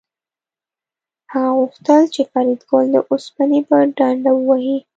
هغه غوښتل چې فریدګل د اوسپنې په ډنډه ووهي